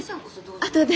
あとで。